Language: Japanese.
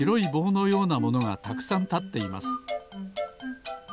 のようなものがたくさんたっています